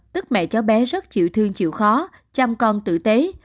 tức mẹ cháu bé rất chịu thương chịu khó chăm con tử tế